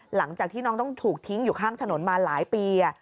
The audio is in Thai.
หลังจากที่น้องต้องถูกทิ้งอยู่ข้างถนนมาหลายปี